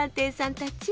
たち！